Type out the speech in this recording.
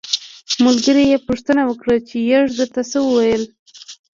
ملګري یې پوښتنه وکړه چې یږې درته څه وویل.